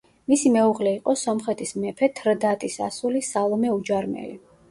მისი მეუღლე იყო სომხეთის მეფე თრდატის ასული სალომე უჯარმელი.